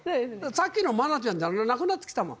さっきの愛菜ちゃんじゃなくなってきたもん。